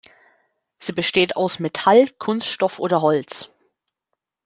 Sie besteht aus Metall, Kunststoff oder Holz.